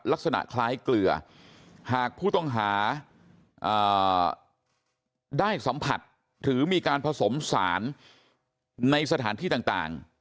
ลักษณะคล้ายเกลือหากผู้ต้องหาได้สัมผัสหรือมีการผสมสารในสถานที่ต่าง